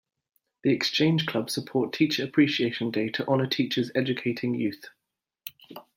The Exchange Club support Teacher Appreciation Day to honor teachers educating youth.